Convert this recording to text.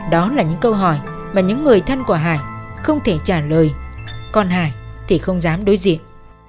đó là những câu hỏi mà những người thân của hải không thể trả lời còn hải thì không dám đối diện